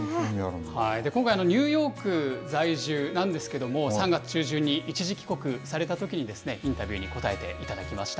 今回、ニューヨーク在住なんですけれども、３月中旬に一時帰国されたときに、インタビューに答えていただきました。